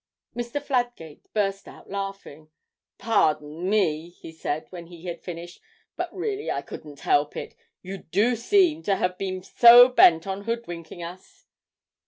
Mr. Fladgate burst out laughing. 'Pardon me,' he said, when he had finished, 'but really I couldn't help it, you do seem to have been so bent on hoodwinking us.'